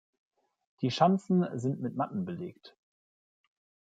Die Schanzen sind mit Matten belegt.